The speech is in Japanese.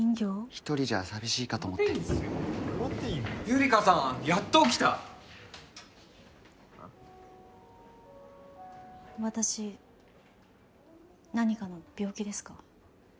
一人じゃ寂しいかと思ってゆりかさんやっと起きた私何かの病気ですか？